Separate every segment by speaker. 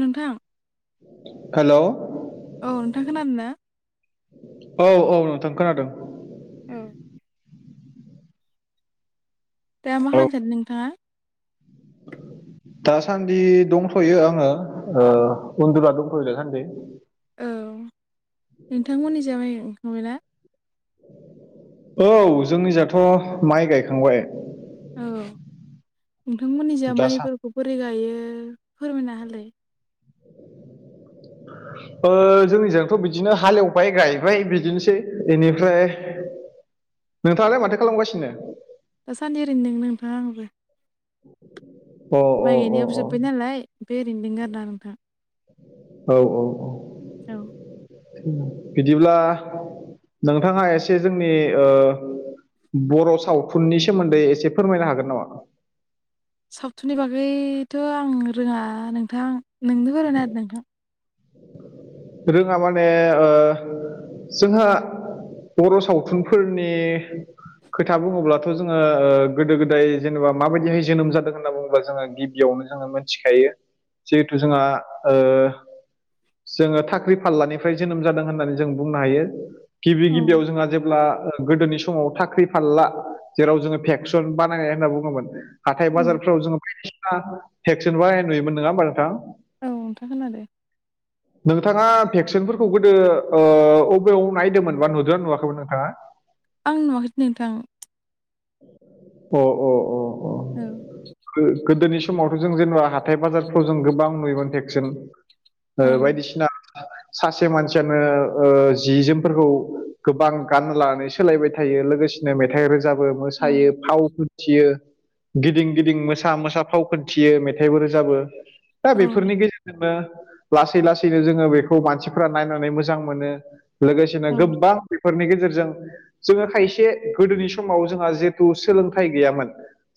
Speaker 1: नोंथां
Speaker 2: हेल'
Speaker 1: औ नोंथां खोनादो ना
Speaker 2: औ औ नोंथां खोनादों
Speaker 1: औ दा मा
Speaker 2: औ
Speaker 1: खालामनो सानदों नोंथाङा
Speaker 2: दासान्दि दंथ'यो आङो ओ उन्दुना दंथ'यो दासान्दि
Speaker 1: औ नोंथांमोननि जाबाय ओंखाबायना
Speaker 2: औ जोंनि जाथ' माइ गायखांबाय
Speaker 1: औ नोंथांमोननि जा
Speaker 2: दासा
Speaker 1: माइफोरखौ बोरै गायो फोरमायना होलाय [inaudible]
Speaker 2: ओ जोंनिजोंथ' बिदिनो हालेवबाय गायबाय बिदिनोसै बेनिफ्राय नोंथाङालाय माथो खालामगासिनो
Speaker 1: दासान्दि ओरैनो नोंथां आंबो
Speaker 2: अ अ
Speaker 1: माइ
Speaker 2: अ
Speaker 1: गायनायाबो जोब्बाय नालाय बे ओरैनो दं आरोना नोंथां
Speaker 2: औ औ
Speaker 1: औ
Speaker 2: बिदिब्ला नोंथाङा एसे जोंनि ओ बर' सावथुननि सोमोन्दै एसे फोरमायनो हागोन नामा
Speaker 1: सावथुननि बागैथ' आं रोङा नोंथां नोंनो फोरमायना होदो नोंथां
Speaker 2: रोङा माने जोंहा बर' सावथुनफोरनि खोथा बुङोब्लाथ' जोङो ओ गोदो-गोदाय जेनेबा माबायदिहाय जोनोम जादों होनना बुङोब्ला जोङो गि बियावनो जोङो मोनथिखायो जिहेथु जोंहा ओ
Speaker 1: [inaudible]
Speaker 2: जोङो थाख्रि-फाल्लानिफ्राय जोनोम जादों होननानै जों बुंनो हायो गिबि
Speaker 1: औ
Speaker 2: गिबियाव जोंहा जेब्ला ओ गोदोनि समाव थाख्रि- फाल्ला जेराव जोङो फेक्सन बानायनाय होनना बुङोमोन।
Speaker 1: औ
Speaker 2: हाथाय-बाजारफ्राव जोङो बायदिना भेक्सन बानायनाय नुयोमोन नोङा होमबा नोंथां।
Speaker 1: औ नोंथा खोनादो।
Speaker 2: नोंथाङा भेक्सनफोरखौ गोदो ओ अबेयाव नायदोमोन बा नुदोना नुवाखैमोन नोंथाङा?
Speaker 1: आं नुवाखै नोंथां।
Speaker 2: अ अ अ अ।
Speaker 1: औ।
Speaker 2: गो-गोदोनि समावथ' जों जेनेबा हाथाय-बाजारफ्राव जों गोबां नुयोमोन भेक्सन। ओ
Speaker 1: औ
Speaker 2: बायदिसिना [unintelligible] सासे मानसियानो ओ जि-जोमफोरखौ गोबां गाननो लानाय सोलायबाय थायो लोगोसेनो मेथाइ रोजाबो,
Speaker 1: औ
Speaker 2: मोसायो, फाव थियो गिदिं- गिदिं मोसा -मोसा फाव खोनथियो मेथाइबो रोजाबो। दा
Speaker 1: औ
Speaker 2: बेफोरनि गेजेरजोंनो लासै- लासैनो जोङो बेखौ मानसिफ्रा नायनानै मोजां मोनो। लोगोसेनो
Speaker 1: औ
Speaker 2: गोबां बेफोरनि गेजेरजों जोङो खायसे गोदोनि समाव जोंहा जिहेथु सोलोंथाइ गैयामोन।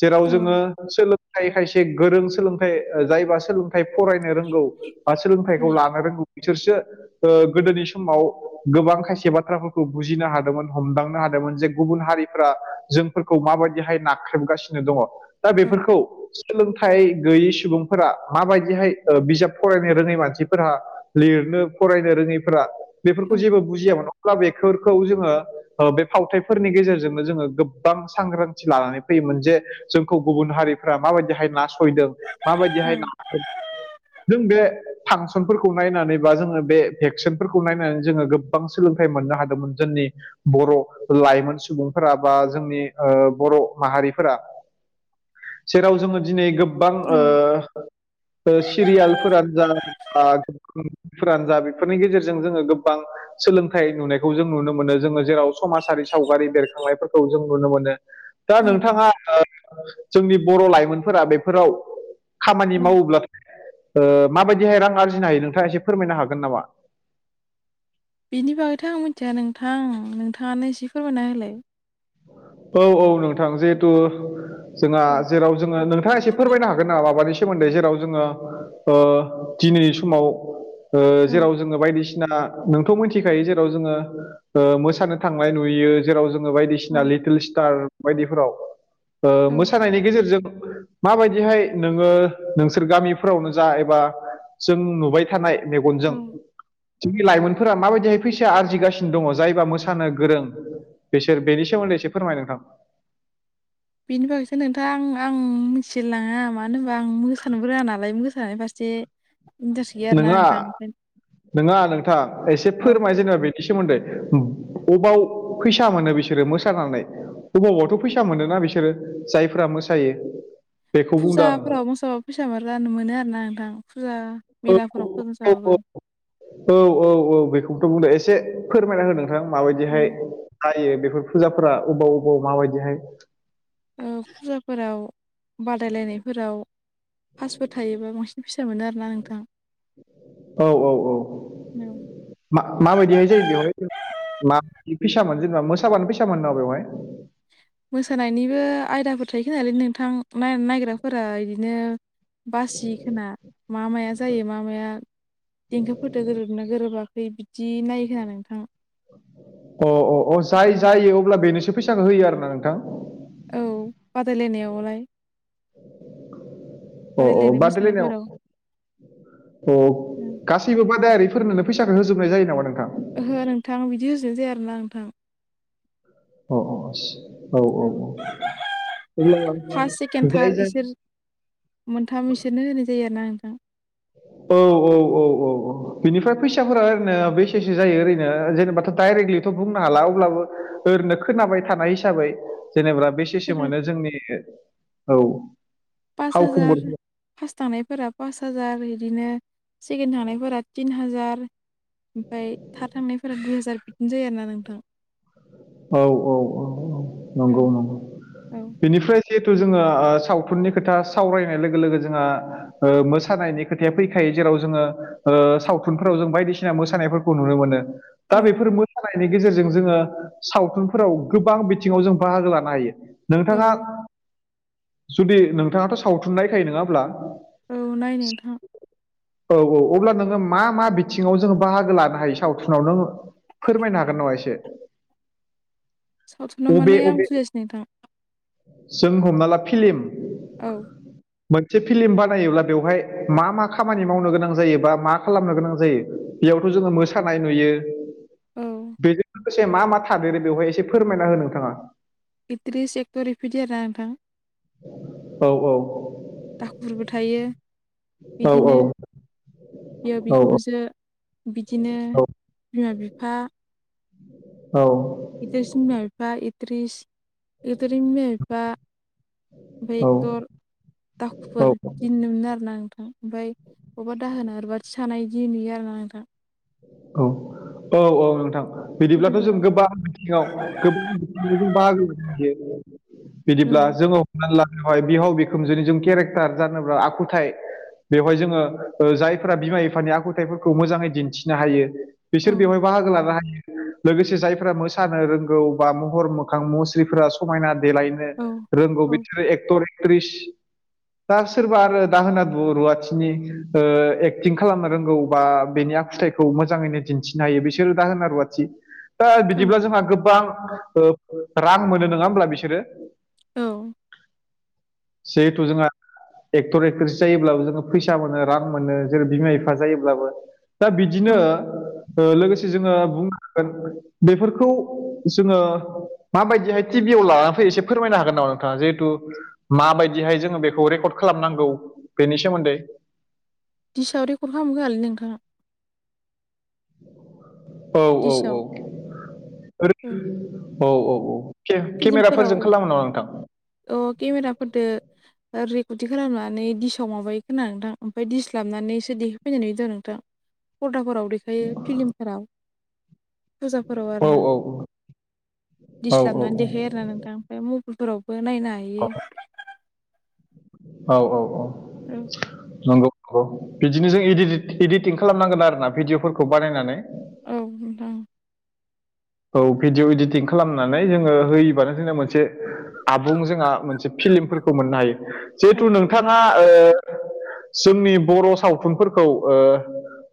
Speaker 2: जेराव
Speaker 1: औ
Speaker 2: जोङो सोलोंथाइ खायसे गोरों सोलोंथाइ ओ जायबा सोलोंथाइ फरायनो रोंगौ बा
Speaker 1: औ
Speaker 2: सोलोंथाइखौ लानो रोंगौ बिसोरसो ओ गोदोनि समाव गोबां खायसे बाथ्राफोरखौ बुजिनो हादोंमोन हमदांनो हादोंमोन जे गुबुन हारि फोरा जोंफोरखौ माबायदिहाय नाख्रेबगासिनो दङ'। दा बेफोरखौ सोलोंथाइ गैयि सुबुंफोरा माबायदिहाय ओ बिजाब फराय रोङै मानसिफोरहा लिरनो फरायनो रोङैफोरा
Speaker 1: औ
Speaker 2: बेफोरखौ जेबो बुजियामोन। अब्ला बेफोरखौ जोङो ओ बे फावथाइफोरनि गेजेरजोंनो जोङो गोबां सांग्रांथि लानानै फैयोमोन जे जोंखौ गुबुन हारिफ्रा माबायदिहाय नासयदों माबायदिहाय ना [inaudible] जों बे फांसनफोरखौ नायनानै बा जोङो बे भेक्सनफोरखौ नायनानै जोङो गोबां सोलोंथाइ मोननो हादोंमोन जोंनि बर' लाइमोन सुबुंफोरा बा जोंनि ओ बर' माहारिफोरा जेराव जोङो दिनै गोबां ओ ओ सिरियालफोरानो जा [unintelligible] फोरानो जा बेफोरनि गेजेरजों जोङो गोबां सोलोंथाइ नुनायखौ जों नुनो मोनो जोङो जेराव समाजारि सावगारि बेरखांनायफोरखौ जों नुनो मोनो। दा
Speaker 1: औ
Speaker 2: नोंथाङा ओ जोंनि बर' लाइमोनफोरा बेफोराव खामानि
Speaker 1: औ
Speaker 2: मावोब्लाथाय ओ माबायदिहाय रां आरजिनो हायो नोंथाङा एसे फोरमायनो हागोन नामा?
Speaker 1: बिनि बागैथ' आं मिथिया नोंथां नोंथाङानो एसे फोरमायना होलाय
Speaker 2: औ औ नोंथां जिहेथु जोंहा जेराव जोङो नोंथाङा एसे फोरमायनो हागोन नामा माबानि सोमोन्दै जेराव जोङो ओ दिनैनि समाव ओ
Speaker 1: औ
Speaker 2: जेराव जोङो बायदिसिना नोंथ' मिनथिखायो जेराव जोङो ओ मोसानो थांनाय नुयो जेराव जोङो बायदिसिना सिना
Speaker 1: औ
Speaker 2: लिटिल स्टार बायदिफोराव ओ
Speaker 1: औ
Speaker 2: मोसानायनि गेजेरजों माबायदिहाय नोङो नोंसोर गामिफोरावनो जा एबा जों नुबाय थानाय
Speaker 1: औ
Speaker 2: मेगनजों जोंनि लाइमोनफोरा माबायदिहाय फैसा आरजिगासिनो दङ' जायबा मोसानो गोरों बिसोर बेनि सोमोनदै एसे फोरमाय नोंथां।
Speaker 1: बेनि बागैसो नोंथां आं मिथिलाङा मानो होनबा आं मोसानो रोङा नालाय मोसानाय फारसे इन्टारेस्ट गैया आरोना
Speaker 2: नोङा
Speaker 1: नोंथां ओंखायनो
Speaker 2: नोङा नोंथां एसे
Speaker 1: औ
Speaker 2: फोरमाय जेनेबा बे नि सोमोन्दै बबाव फैसा मोनो बिसोरो मोसानानै गोबावावथ' फैसा मोनोना बिसोरो जायफोरा मोसायो बेखौ बुंदों आं
Speaker 1: फुजाफोराव मोसाबा फैसाबो राननो मोनो आरोना नोंथां फुजा
Speaker 2: औ
Speaker 1: मेलाफोराव मोसाबाबो
Speaker 2: औ औ औ औ बेखौथ' बुंदों एसे फोरमायना होदों माबायदिहाय जायो बेफोर फुजाफोरा अबाव अबाव माबायदिहाय
Speaker 1: फुजाफोराव बादायलायनायफोराव फास्बो थायोबा बांसिन फैसा मोनो आरोना नोंथां
Speaker 2: औ औ औ
Speaker 1: औ
Speaker 2: माबायदिहाय जायो बेवहाय माबा फिसोन जेनेबा मोसाबानो फिसोन नामा बेवहाय
Speaker 1: मोसानायनिबो आयदाफोर थायोखा नालाय नोंथां नायग्राफोरा बिदिनो बासिखोना मा माया जायो मा माया देंखोफोरदो गोरोबनो गोरोबाखै बिदि नायहोना नोंथां
Speaker 2: अ अ अ जाय
Speaker 1: ओमफ्राय
Speaker 2: जायो अब्ला बेनोसो फैसाखौ होयो आरोना नोंथां
Speaker 1: औ बादायलायनायावलाय
Speaker 2: अ अ
Speaker 1: बादायलायनाय
Speaker 2: बादल
Speaker 1: मोसानायफोराव
Speaker 2: अ
Speaker 1: ओं।
Speaker 2: गासैबो बादायारिफोरनोनो फैसाखौ होजोबनाय जायो नामा नोंथां
Speaker 1: ओहो नोंथां बिदि होजानो जाया आरोना नोंथां
Speaker 2: अ अ औ औ औ अब्ला
Speaker 1: फार्स्ट सेकेणड
Speaker 2: जाय
Speaker 1: थार्ड
Speaker 2: जाय
Speaker 1: इसोर मोनथाम बिसोरनो होनाय जायो आरो ना नोंथां
Speaker 2: औ औ औ औ औ बिनिफ्राय फैसाफोरा ओरैनो बेसेसो जायो ओरैनो जेनेबाथ' डाइरेक्टलि बुंनो हाला अब्लाबो ओरैनो खोनाबाय थानाय हिसाबै जेनेबा बे केसे
Speaker 1: सोरना
Speaker 2: मोनो जोंनि औ
Speaker 1: पास
Speaker 2: फावखुंगुर
Speaker 1: हाजार पास थानायफोरा पास हाजार बिदिनो सिगोन थानायफोरा थिन हाजार ओमफफ्राय था थांनायफोरा दु हाजार बिबदिन जायो आरो ना नोंथां
Speaker 2: औ औ औ औ
Speaker 1: औ
Speaker 2: नंगौ नंगौ
Speaker 1: औ
Speaker 2: बेनिफ्राय जिहेथु जोङो सावथुननि खोथा सावरायनाय लोगो लोगो जोंहा मोसानायनि खोथाया फैखायो जेराव जोङो सावथुनफोराव जों बायदिसिना मोसानायफोरखौ नुनो मोनो दा
Speaker 1: औ
Speaker 2: बेफोर मोसानायनि गेजेरजों जोङो सावथुनफोराव गोबां बिथिङाव जों बाहागो लानो हायो नोंथाङा
Speaker 1: औ
Speaker 2: जुदि नोंथाङाथ' सावथुन नायखायो नङाब्ला
Speaker 1: औ नायनो नोंथां
Speaker 2: औ औ अब्ला नोङो मा मा बिथिङाव जोङो बाहागो लानो हायो सावथुनाव नों फोरमायनो हागोन नामा एसे
Speaker 1: सावथुनाव
Speaker 2: अबे
Speaker 1: माने आं
Speaker 2: अबे
Speaker 1: फुजसै नोंथां
Speaker 2: जों हमना ला फिलिम
Speaker 1: औ
Speaker 2: मोनसे फिल्म बानायोब्ला बेवहाय मा मा खामानि मावनो गोनां जायो बा मा खालामनो गोनां जायो बेयावथ' जोङो मोसानाय नुयो
Speaker 1: औ
Speaker 2: बेजों लोगोसे मा मा थादेरो बेवहाय एसे फोरमायना हो नोंथाङा
Speaker 1: एट्रिस एक्टरफोरदि आरोना नोंथां
Speaker 2: औ औ
Speaker 1: दाखुरबो थायो
Speaker 2: औ औ
Speaker 1: बेयाव
Speaker 2: औ
Speaker 1: बिखुनजो बिदिनो
Speaker 2: औ
Speaker 1: बिमा बिफा
Speaker 2: औ
Speaker 1: इदिसिन मफा इरिस गोदोर माबा भक्टर दाखुफोर गिनो मोनो आरोना नोंथां ओमफाय बबेबोना ओरैबायदि सानाय बिदि नुयो आरोना नोंथां
Speaker 2: औ औ औ नोंथां बिदिब्लाथ' जों
Speaker 1: फिलिमफोराव
Speaker 2: गोबां गोबांथि बाहागो
Speaker 1: औ
Speaker 2: बिदिब्ला जोङो मानलाहाय बिहाव बिखोमजोनि जों केरेक्टार जानोब्ला आखुथाय बेवहाय जोङो ओ जायफोरा बिमा बिफानि आखुथायफोरखौ मोजाङै दिन्थि नो हायो
Speaker 1: औ
Speaker 2: बिसोर बेवहाय बाहागो लानो हायो। लोगोसे जायफोरा मोसानो रोंगौ बा महर मोखां मुस्रिफोरा समायना देलायनो
Speaker 1: औ
Speaker 2: रोंगौ
Speaker 1: औ
Speaker 2: बिदिरो एक्टर एक्ट्रिस दा सोरबा आरो दाहोना रुवाथिनि ओ एक्टिं खालामनो रोंगौ बा बेनि आखुथाय खौ मोजाङैनो दिन्थिनो हायो बिसोरो दा होनना रुवाथि दा बिदिब्ला जोंहा गोबां ओ रां मोनो नङा होमब्ला बिसोरो?
Speaker 1: औ
Speaker 2: जिहेथु जोंहा एक्टर एक्टरस जायोब्लाबो जोङो फैसा मोनो रां मोनो जेरै बिमा बिफा जायोब्लाबो दा बिदि बिदिनो
Speaker 1: औ
Speaker 2: ओ लोगोसे जोङो बुं हांगोन बेफोरखौ जोङो माबायदिहाय टिभियाव लानानै फै एसे फोरमायनो हागोन नामा नोंथाङा जिहेतु माबायदिहाय जोङो बेखौ रेकर्ड खालामनांगौ बेनि सोमोन्दै।
Speaker 1: दििसायाव रेकर्ड खालामग आलै नोंथाङा।
Speaker 2: औ औ औ
Speaker 1: दिसाव
Speaker 2: ओ
Speaker 1: औ
Speaker 2: औ औ औ के
Speaker 1: फिलिमफोराव
Speaker 2: केमेराफोरजों खालामोनामा नोंथां?
Speaker 1: अ केमेराफोरदो रेकर्थि खालामनानै दिडिसाव माबायो खोना नोंथां ओमफ्रायाय दिस लाबनानै एससे देहैफैनानै नुयोथ नोंथां। फर्दाफोराव देखायो फिलिमफोराव। फुजाफोराव आर
Speaker 2: औ
Speaker 1: ना
Speaker 2: औ
Speaker 1: दिस्लाबनानै देखायोयो आर ना नोंथां ओमफ्राय म बेलफोरावबो नायनो हायो।
Speaker 2: औ औ औ
Speaker 1: औ
Speaker 2: नंगौ बिदिनो जों इडिटिं खालामनांगोन आरोना भिडिय'फोरखौ बानायनानै।
Speaker 1: औ नोंथां
Speaker 2: औ भिडिय' इडिटिं खालामनानै जोङो होयोबानो जोंङो मोनसे आबुं जोंहा मोनसे फिल्मफोरखौ मोननो हायो
Speaker 1: औ
Speaker 2: जिहेथु नोंथाङा ओ जोंनि बर' सावथुनफोरखौ ओ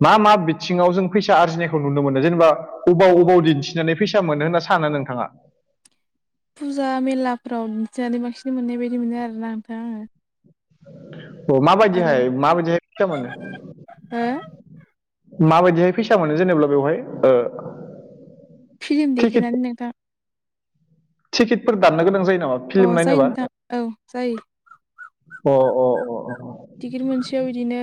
Speaker 2: मा मा बिथिङाव जों फैसा आरजिनायखौ नुनो मोनो जेनेबा अबाव अबाव दिन्थि फिनानै फैसा मोनो होनना सानो नोंथाङा?
Speaker 1: फुजा मेलाफ्राव बिदिनानै बांसिन मोननाय बायदि मोनो आरोना नोंथां आङो।
Speaker 2: अ
Speaker 1: आरो
Speaker 2: माबादिहाय माबादिहाय फैसा मोनो?
Speaker 1: हो
Speaker 2: माबायदिहाय फैसा मोनो जेनेबा बेवहाय ओ
Speaker 1: फिलि्म
Speaker 2: टिकेट
Speaker 1: देखायनानै नों
Speaker 2: टिकेटफोर दाननो गोनां जायो नामा?
Speaker 1: अ
Speaker 2: फिल्म
Speaker 1: जायो
Speaker 2: नायनोबा
Speaker 1: नोंथां औ जायो।
Speaker 2: अ अ अ अ
Speaker 1: टिकेट मोनसेयाव बिदिनो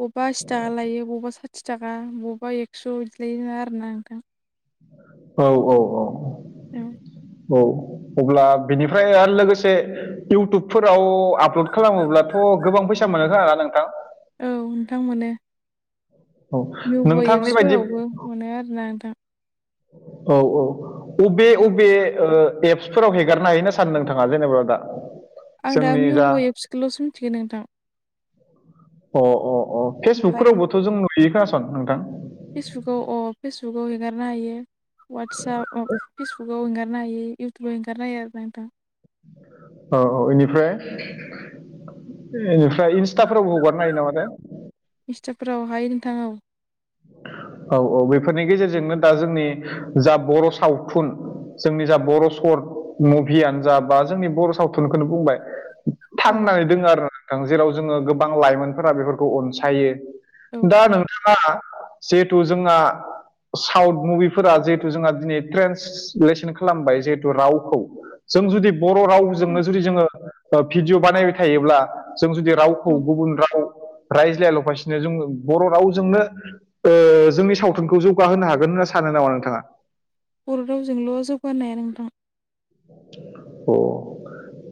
Speaker 1: बबेबा आसि थाखा लायो बबेबा सा आथि थाखा बबेबा एक्स' बिदिलायनो आरोना नोंथां।
Speaker 2: औ औ औ
Speaker 1: उम
Speaker 2: औ अब्ला बेनिफ्राय आरो लोगोसे इउटुबफोराव आपल'ड खालामोब्लाथ' गोबां फैसा मोनोखोमाना नोंथां?
Speaker 1: औ नोंथां मोनो।
Speaker 2: औ
Speaker 1: भिभ'
Speaker 2: नोंथांनि बायदि
Speaker 1: एप्सफोरावबो मोनो आरोना नोंथां।
Speaker 2: औ औ अबे
Speaker 1: औ
Speaker 2: अबे ओ एब फोराव हेगारनो हायो होनना सानो नोंथाङा जेनेबा दा?
Speaker 1: आं दा
Speaker 2: जोंनि
Speaker 1: मिउ
Speaker 2: जा
Speaker 1: ब' एप्सखौल'सो मिथिगोन नोंथां।
Speaker 2: अ अ अ
Speaker 1: ओमफ्राय
Speaker 2: फेसबुकफोरावबोथ' जों नुयो खोनासं नोंथां
Speaker 1: फेसबुकाव अ फेसबुकाव हेगारनो हायो वाटसाप फेसबुक हेंगारनो हायो इउथुबाव हेंगारनो हायो आरो नोंथां।
Speaker 2: औ औ बेनिफ्राय बेनिफ्राय इन्स्टाफ्रावबो हगारनो हायो नामाथाय
Speaker 1: इनस्टाफोराव हायो नोंथां औ।
Speaker 2: औ औ बेफोरनि गेजेरजोंनो दा जोंनि जा बर' सावथुन जोंनि जा बर' सर्ट मुभियानो जा बा जोंनि बर' सावथुनखौनो बुंबाय
Speaker 1: औ
Speaker 2: थांनानै दोङो आरोना नोंथां जेराव जोङो गोबां लाइमोनफोरा बेफोरखौ अनसायो।
Speaker 1: औ
Speaker 2: दा
Speaker 1: औ
Speaker 2: नोंथाङा जिहेथु जोंहा साउथ मुभिफोरा जिहेथु जोंहा दिनै ट्रेन्स लेसन खालामबाय जिहेथु रावखौ जों जुदि बर'
Speaker 1: औ
Speaker 2: रावजोंनो जुदि जोङो भिडिय' बानायबाय थायोब्ला। जों जुदि रावखौ
Speaker 1: औ
Speaker 2: गुबुन राव रायज्लायल'फासिनो जों बर' रावजोंनो। जोंनि सावथुनखौ जौगाहोनो हागोन होनना सानो नामा नोंथाङा?
Speaker 1: बर' रावजोंल' जौगा होनो हाया नोंथां।
Speaker 2: अ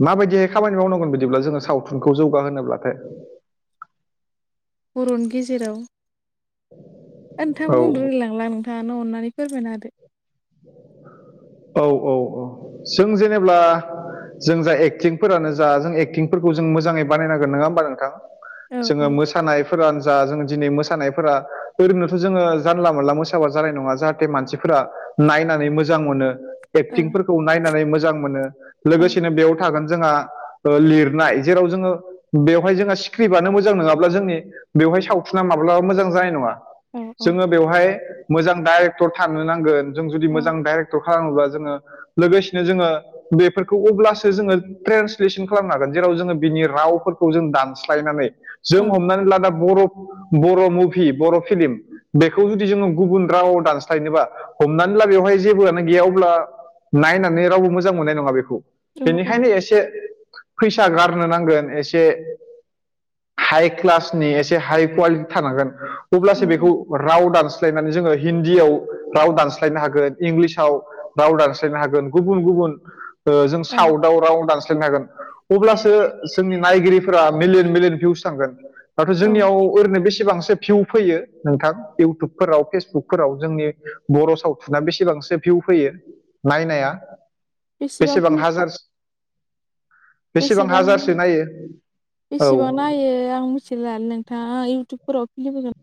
Speaker 2: माबायदिहाय खामानि मावनांगोन बिदिब्ला जोङो सावथुनखौ जौगाहोनोब्लाथाय?
Speaker 1: बर'नि गेजेराव नोंथां बुंनो
Speaker 2: औ
Speaker 1: रोंला हांला नोंथाङानो अननानै फोरमायना होदो।
Speaker 2: औ औ औ जों जेनेब्ला जों जा एक्टिंफोरानो जा जों एक्टिंफोरखौ जों मोजाङै बानायनांगोन नङा होमबा नोंथां।
Speaker 1: औ
Speaker 2: जोङो मोस मोसानायफोरानो जा जों दिनै मोसानायफोरा ओरैनोथ' जोङो जानला मोनला मोसाबा जानाय नङा जाहाथे मानसिफोरा नायन नाय मोजां मोनो
Speaker 1: औ
Speaker 2: एक्टिंफोरखौ नायनानै मोजां मोनो
Speaker 1: औ
Speaker 2: लोगोसेनो बेयाव थागोन जोंहा ओ लिरनाय जेराव जोङो बेवहाय जोंहा स्क्रिप्टआनो मोजां नङाब्ला जोंनि बेवहाय सावथुना माब्लाब मोजां जानाय नङा।
Speaker 1: औ औ
Speaker 2: जोङो बेवहाय मोजां डाइरेक्टर थानो नांगोन जों जुदि
Speaker 1: औ
Speaker 2: मोजां डाइरेक्टर खालाम खालामोबा जोङो लोगोसेनो जोङो बेफोरखौ अब्लासो जोङो। ट्रेन्सलेसन खालामनो हागोन जेराव जोङो बिनि रावफोरखौ जों दानस्लायनानै।
Speaker 1: औ
Speaker 2: जों हमनानै लादा बर' बर' मुभि बर' फिलिम। बेखौ जुदि जोङो गुबुन रावाव दानस्लायनोबा हमनानै ला बेवहाय जेबोआनो गैया अब्ला नायनानै रावबो मोजां मोननाय नङा बेखौ।
Speaker 1: औ
Speaker 2: बेनिखायनो एसे फैसा गारनो नांगोन एसे हाइ क्लासनि एसे हाइ कुवालिटि थानांगोन।
Speaker 1: औ
Speaker 2: अब्लासो बेखौ राव दानस्लायनानै जोङो हिन्दीयाव राव दानस्लायनो हागोन इंलिसाव राव दानस्लायनो हागोन गुबुन गुबुन जों
Speaker 1: औ
Speaker 2: साउथ राव दानस्लायन हांगोन अब्लासो जोंनि नायगिरिफोरा मिलियन मिलियन भिउस थांगोन। दाथ'
Speaker 1: औ
Speaker 2: जोंयाव ओरैनो बेसेबांसो भिउ फैयो नोंथां इउटुबफोराव फेसबुकफोराव जोंनि बर' सावथुना बेसे बेसेबांसो भिउ फैयो नायनाया बेसेबां हाजारो
Speaker 1: बेसेबां
Speaker 2: नायो
Speaker 1: बेसेबां
Speaker 2: औ
Speaker 1: नायो ओ फला नोंथाङा इउटुबफोराव फिलिम होगोन